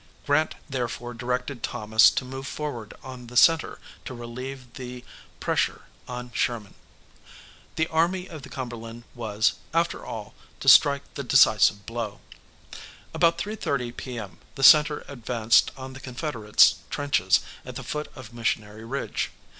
Grant therefore directed Thomas to move forward on the centre to relieve the pressure on Sherman. The Army of the Cumberland was, after all, to strike the decisive blow. About 3.30 P.M. the centre advanced on the Confederate's trenches at the foot of Missionary Ridge.